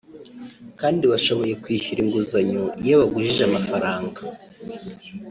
kandi bashoboye kwishyura inguzanyo iyo bagujije amafaranga